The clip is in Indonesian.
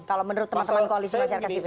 kalau menurut teman teman koalisi masyarakat sipil